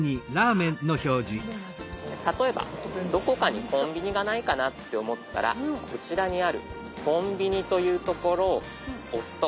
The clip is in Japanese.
例えばどこかにコンビニがないかなって思ったらこちらにある「コンビニ」という所を押すと。